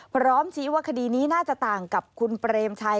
พร้อมชี้ว่าคดีนี้น่าจะต่างกับคุณเปรมชัย